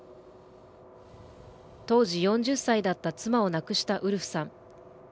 当時４０歳だった妻を亡くしたウルフさん。